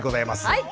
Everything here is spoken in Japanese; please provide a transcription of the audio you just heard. はい。